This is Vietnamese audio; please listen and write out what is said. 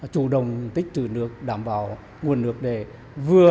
chủ động tích trữ nước đảm bảo nguồn nước để vừa